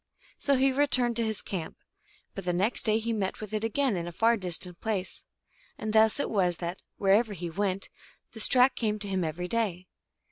So he returned to his camp ; but the next day he met with it again in a far distant place. And thus it was that, wherever he went, this track came to him every day.